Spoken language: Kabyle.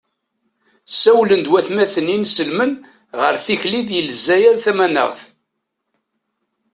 Sawlen-d watmaten inselmen ɣer tikli di lezzayer tamanaɣt.